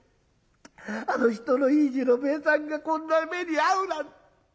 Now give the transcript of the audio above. あの人のいい次郎兵衛さんがこんな目に遭うなんて。